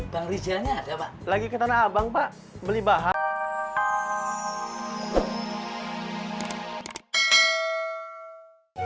dan rizalnya ada lagi ketanah abang pak beli bahan